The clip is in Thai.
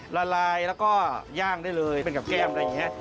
ละลายแล้วก็ย่างได้เลยเป็นกับแก้มอะไรอย่างนี้